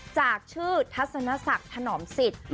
จากชื่อทัศนศักดิ์ถนอมสิทธิ์